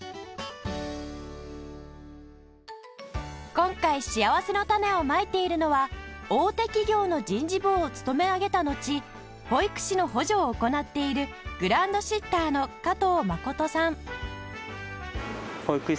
今回しあわせのたねをまいているのは大手企業の人事部を勤め上げたのち保育士の補助を行っているグランドシッターの加藤真さん